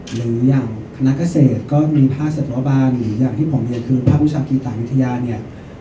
หรืออย่างคณะเกษตรก็มีภาคเศรษฐวบาลหรืออย่างที่ผมเรียนคือภาควิชากีตาวิทยาเนี่ย